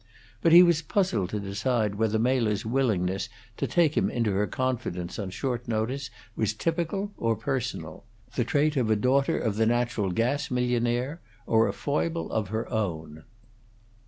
But he was puzzled to decide whether Mela's willingness to take him into her confidence on short notice was typical or personal: the trait of a daughter of the natural gas millionaire, or a foible of her own.